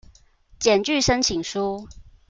檢具申請書